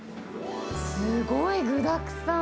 すごい具だくさん。